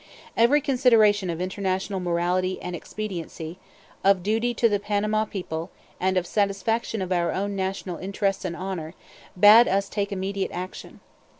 Every consideration of international morality and expediency, of duty to the Panama people, and of satisfaction of our own national interests and honor, bade us take immediate action.